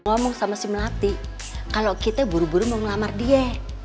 ngomong sama si melati kalau kita buru buru mau ngelamar dia